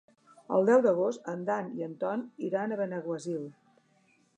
El deu d'agost en Dan i en Ton iran a Benaguasil.